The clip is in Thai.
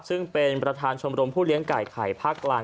ซึ่งเป็นประธานชมรมผู้เลี้ยงไก่ไข่ภาคกลาง